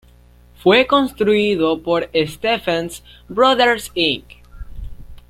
Fue construido por Stephens Brothers Inc.